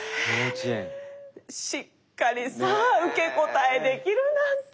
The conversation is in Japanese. しっかりさ受け答えできるなんてもう。